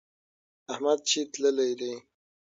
احمد چې تللی دی.